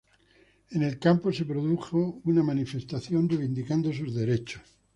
En el campo se produjo una manifestación reivindicando sus derechos.